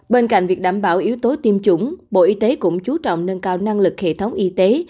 bên cạnh việc đảm bảo yếu tố tiêm chủng bộ y tế cũng chú trọng nâng cao năng lực hệ thống y tế